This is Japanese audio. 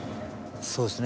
そうですね